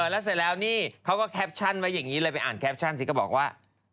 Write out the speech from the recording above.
แล้วเสร็จแล้วนี่เขาก็แคปชั่นไว้อย่างนี้เลยไปอ่านแคปชั่นสิก็บอกว่า